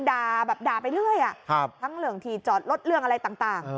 ด่าไปเรื่อยทั้งเหลืองทีจอดลดเรื่องอะไรต่าง